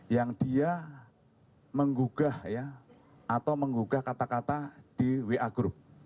yang dia menggugah ya atau menggugah kata kata di wa group